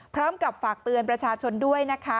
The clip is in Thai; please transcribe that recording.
พร้อมกับฝากเตือนประชาชนด้วยนะคะ